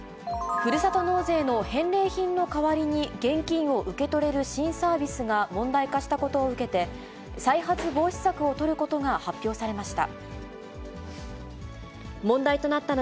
ふるさと納税の返礼品の代わりに現金を受け取れる新サービスが問題化したことを受けて、再発防止策を取ることが発表されました。